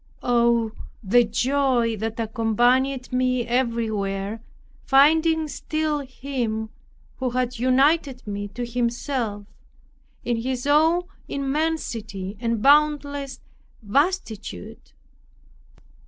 Oh, the joy that accompanied me everywhere, finding still Him who had united me to Himself, in His own immensity and boundless vastitude!